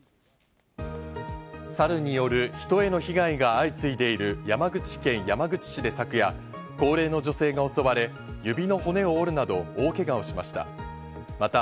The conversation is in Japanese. サルによる人への被害が相次いでいる山口県山口市で昨夜、高齢の女性が襲われ、指の骨を折るなど大けがをしました。